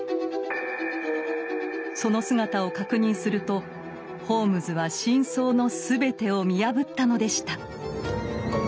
その姿を確認するとホームズは真相の全てを見破ったのでした。